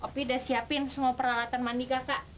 opi udah siapin semua peralatan mandi kakak